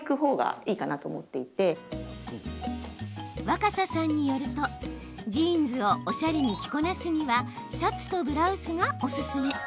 若狭さんによると、ジーンズをおしゃれに着こなすにはシャツとブラウスがおすすめ。